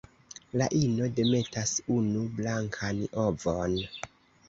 La ino demetas unu blankan ovon.